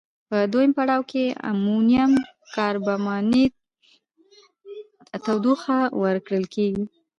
په دویم پړاو کې امونیم کاربامیت ته تودوخه ورکول کیږي.